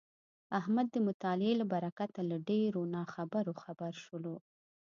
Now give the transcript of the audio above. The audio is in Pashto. احمد د مطالعې له برکته له ډېرو ناخبرو خبر شولو.